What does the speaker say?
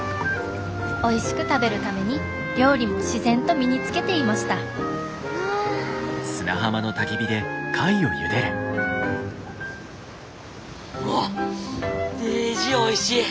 おいしく食べるために料理も自然と身につけていましたわっデージおいしい！